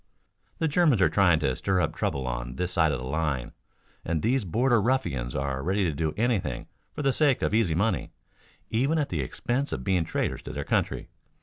The Germans are trying to stir up trouble on this side of the line, and these border ruffians are ready to do anything for the sake of easy money, even at the expense of being traitors to their country.